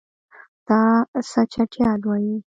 دا څه چټیات وایې.